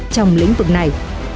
trong lĩnh vực này